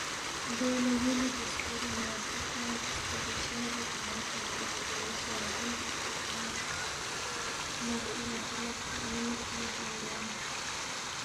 دو لہ یُولی گِسکوری مارفو خلنگ چی سکورے شہری تھن٘ی کھہ ردبسے شہ ررزین چقسے تنگس نہ کھو ن٘تی لقکھہ اونگنُوک، مید نہ می اونگ